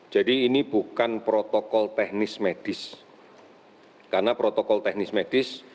jadi ini bukan protokol teknis medis karena protokol teknis medis